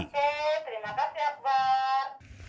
oke terima kasih akbar